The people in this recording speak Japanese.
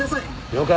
了解。